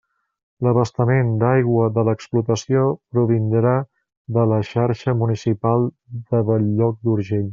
L'abastament d'aigua de l'explotació provindrà de la xarxa municipal de Bell-lloc d'Urgell.